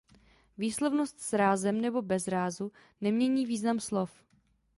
Výslovnost s rázem nebo bez rázu nemění význam slov.